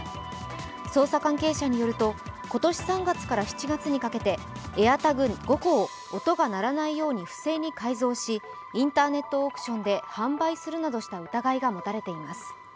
捜査関係者によると今年３月から７月にかけてＡｉｒＴａｇ、５個を音が鳴らないように不正に改造しインターネットオークションで販売するなどした疑いが持たれています。